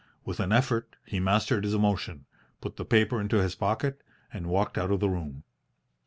With an effort he mastered his emotion, put the paper into his pocket, and walked out of the room.